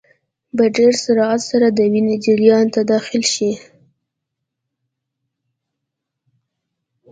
په ډېر سرعت سره د وینې جریان ته داخل شي.